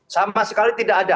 sama sekali tidak ada